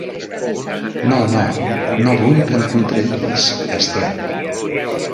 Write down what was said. No, no, no vull que em contradiguis, Esther!